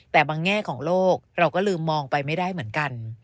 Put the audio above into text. แต่บางแง่ของโลกเราก็ลืมมองไปไม่ได้เหมือนกัน